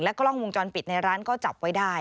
กล้องวงจรปิดในร้านก็จับไว้ได้